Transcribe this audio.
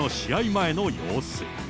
前の様子。